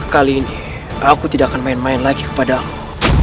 kali ini aku tidak akan main main lagi kepadamu